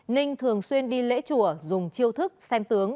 ninh thường xuyên đi lễ chùa dùng chiêu thức xem tướng